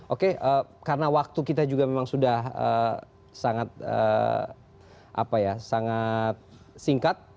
oke karena waktu kita juga memang sudah sangat singkat